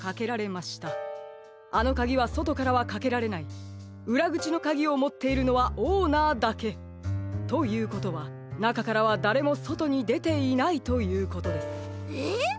あのカギはそとからはかけられないうらぐちのカギをもっているのはオーナーだけ。ということはなかからはだれもそとにでていないということです。え？